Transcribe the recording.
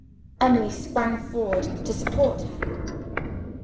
Emily sprang forward to support her.